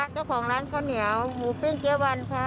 เจ้าของร้านข้าวเหนียวหมูปิ้งเจ๊วันค่ะ